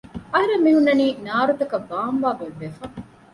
އަހަރެން މިހުންނަނީ ނާރުތަކަށް ވާން ވާ ގޮތްވެފަ